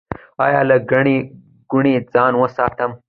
ایا له ګڼې ګوڼې ځان وساتم؟